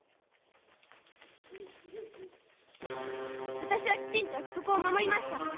・私はきちんと約束を守りました！